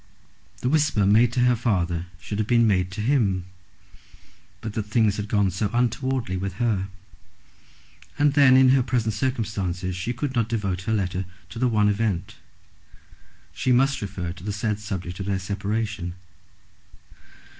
The whisper made to her father should have been made to him, but that things had gone so untowardly with her. And then, in her present circumstances, she could not devote her letter to the one event. She must refer to the said subject of their separation.